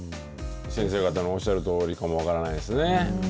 先生方のおっしゃるとおりかも分からないですね。